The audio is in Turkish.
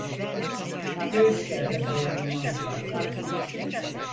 Göğüs gerdim dayanılmaz gamlara.